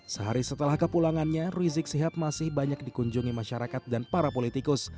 sehari setelah kepulangannya rizik sihab masih banyak dikunjungi masyarakat dan para politikus